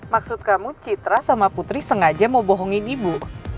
maksud kamu citra sama putri sengaja mau bohongin ibu